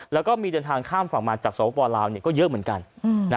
แล้วก็มีเดินทางข้ามฝั่งมาจากสวปลาวก็เยอะเหมือนกัน